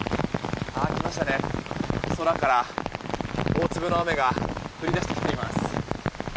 今、空から大粒の雨が降り出してきています。